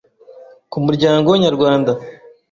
ku muryango nyarwanda.